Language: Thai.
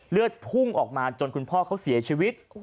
เลือดพุ่งออกมาจนคุณพ่อเขาเสียชีวิต